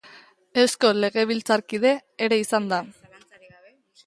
Eusko legebiltzarkide ere izan da.